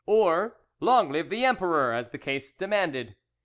or 'Long live the emperor!' as the case demanded.